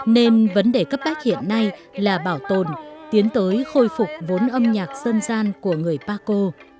nên vấn đề cấp bách hiện nay là bảo tồn tiến tới khôi phục vốn âm nhạc dân gian của người paco